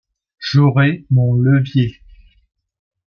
J’aurai mon levier.